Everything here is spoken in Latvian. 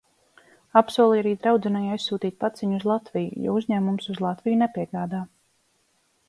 Apsolīju arī draudzenei aizsūtīt paciņu uz Latviju, jo uzņēmums uz Latviju nepiegādā.